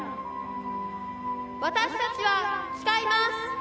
私たちは誓います。